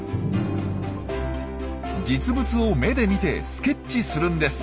実物を目で見てスケッチするんです。